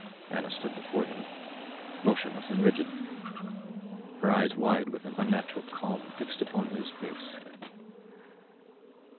Anna stood before him, motionless and rigid, her eyes wide with an unnatural calm fixed upon his face.